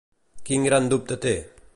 Quin gran dubte té?